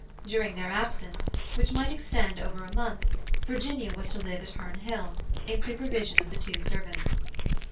During their absence, which might extend over a month, Virginia was to live at Herne Hill, in supervision of the two servants.